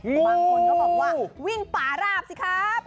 บางคนก็บอกว่าวิ่งป่าราบสิครับ